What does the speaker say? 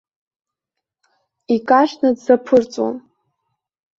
Икажьны дзаԥырҵуам.